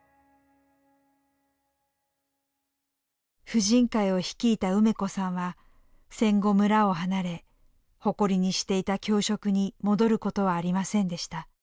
婦人会を率いた梅子さんは戦後村を離れ誇りにしていた教職に戻ることはありませんでした。